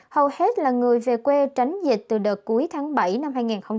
hầu hết là người về quê tránh dịch từ đợt cuối tháng bảy năm hai nghìn hai mươi